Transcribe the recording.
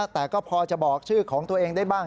แต่ก็พอจะบอกชื่อของตัวเองได้บ้าง